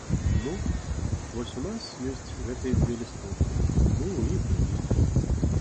Ну, вось у нас ёсць гэтыя дзве лістоўкі, і мы ў іх глядзім.